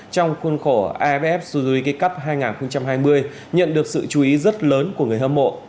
trong khuôn khổ aff suzui cup hai nghìn hai mươi nhận được sự chú ý rất lớn của người hâm mộ